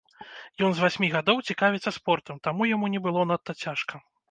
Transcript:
Ён з васьмі гадоў цікавіцца спортам, таму яму не было надта цяжка.